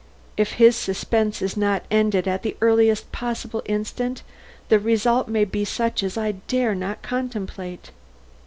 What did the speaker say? If his suspense is not ended at the earliest possible instant, the results may be such as I dare not contemplate."